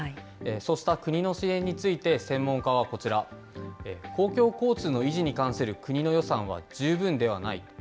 そうした国の支援について専門家はこちら、公共交通の維持に関する国の予算は十分ではない。